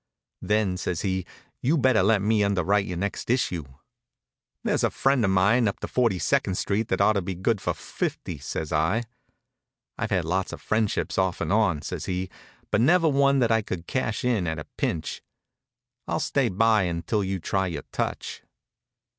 "Then," says he, "you'd better let me underwrite your next issue." "There's a friend of mine up to Forty second Street that ought to be good for fifty," says I. "I've had lots of friendships, off and on," says he, "but never one that I could cash in at a pinch. I'll stay by until you try your touch."